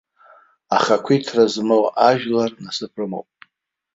Ахақәиҭра змоу ажәлар насыԥ рымоуп.